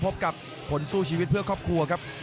พบกับผลสู้ชีวิตเพื่อครอบครัวครับ